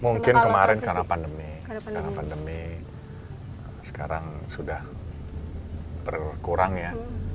mungkin kemarin karena pandemi karena pandemi sekarang sudah berkurang ya